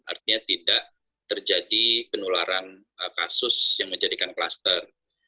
artinya tidak terjadi penularan kasus yang menjadikan kluster